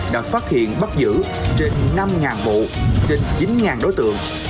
đã phát hiện bắt giữ trên năm vụ trên chín đối tượng